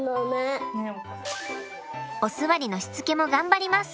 お座りのしつけも頑張ります！